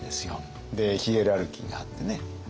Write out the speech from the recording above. でヒエラルキーがあってね。